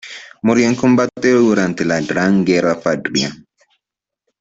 Murió en combate durante la Gran Guerra Patria.